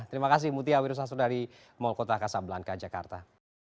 terima kasih mutia wirishasur dari mall kota kasablanca jakarta